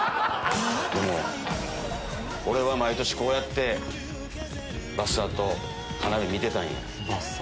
でも俺は毎年こうやってばっさーと花火見てたいんや。